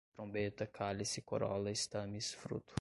trombeta, cálice, corola, estames, fruto